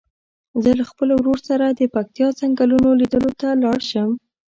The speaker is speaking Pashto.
زه له خپل ورور سره د پکتیا څنګلونو لیدلو ته لاړ شم.